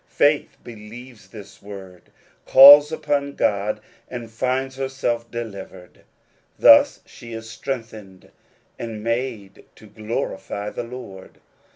Faith believes this word, calls upon God, and finds herself delivered : thus she is strengthened, and made to glorify the Lord.